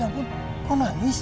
ya ampun kau nangis